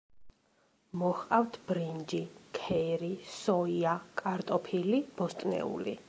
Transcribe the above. მოჰყავთ ბრინჯი, ქერი, სოია, კარტოფილი, ბოსტნეული.